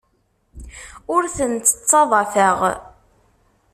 Ur tent-ttaḍḍafeɣ.